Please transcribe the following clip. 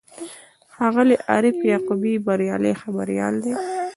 ښاغلی عارف یعقوبي بریالی خبریال دی.